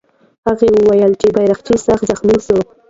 هغه وویل چې بیرغچی سخت زخمي سو.